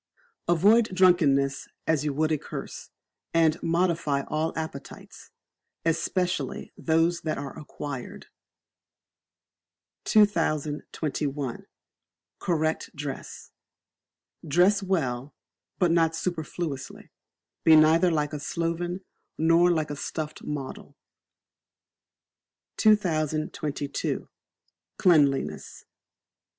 Avoid Drunkenness as you would a curse; and modify all appetites, especially those that are acquired. 2021. Correct Dress. Dress Well, but not superfluously; be neither like a sloven, nor like a stuffed model. 2022. Cleanliness.